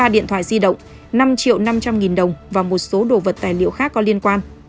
ba điện thoại di động năm triệu năm trăm linh nghìn đồng và một số đồ vật tài liệu khác có liên quan